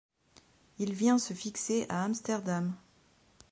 Il vient se fixer à Amsterdam.